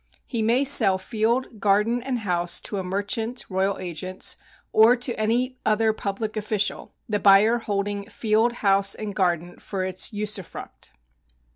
He may sell field, garden and house to a merchant [royal agents] or to any other public official, the buyer holding field, house and garden for its usufruct.